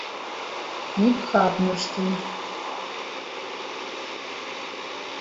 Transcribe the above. Ибхабмыршҭын!